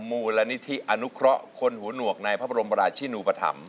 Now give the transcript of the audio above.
มูลนิธิอนุเคราะห์คนหูหนวกในพระบรมราชินูปธรรม